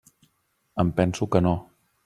Em penso que no.